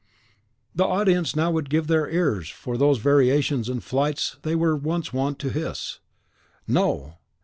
The audience now would give their ears for those variations and flights they were once wont to hiss. No!